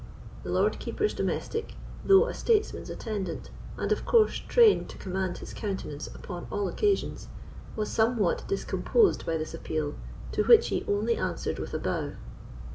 The Lord Keeper's domestic, though a statesman's attendant, and of course trained to command his countenance upon all occasions, was somewhat discomposed by this appeal, to which he only answered by a bow.